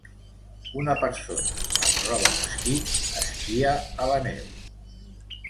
Una persona amb roba d'esquí esquia a la neu.